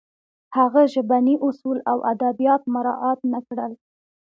هغه ژبني اصول او ادبیات مراعت نه کړل